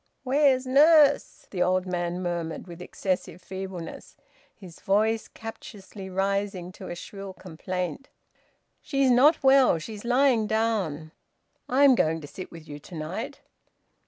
"Where's Nurse?" the old man murmured, with excessive feebleness, his voice captiously rising to a shrill complaint. "She's not well. She's lying down. I'm going to sit with you to night.